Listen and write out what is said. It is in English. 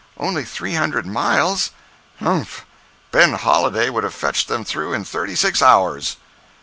Only three hundred miles? Humph! Ben Holliday would have fetched them through in thirty six hours!"